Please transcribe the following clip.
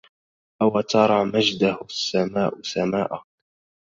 أو ترى مجدَه السماءُ سماءَ